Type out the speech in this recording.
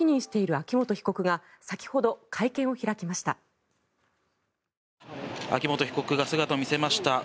秋元被告が姿を見せました。